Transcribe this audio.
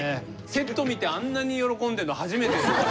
セット見てあんなに喜んでるの初めて。